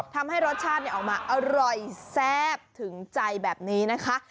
ทำให้รสชาติออกมาอร่อยแซ่บถึงใจแบบนี้นะคะ